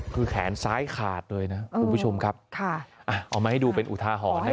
คือแขนซ้ายขาดเลยนะคุณผู้ชมครับเอามาให้ดูเป็นอุทาหรณ์นะ